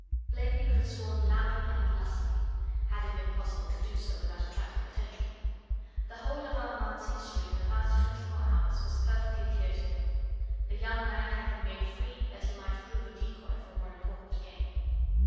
Blakeney could have sworn loudly and lustily, had it been possible to do so without attracting attention. The whole of Armand's history in the past twenty four hours was perfectly clear to him. The young man had been made free that he might prove a decoy for more important game.